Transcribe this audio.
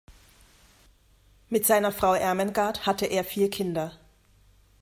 Mit seiner Frau Ermengard hatte er vier Kinder.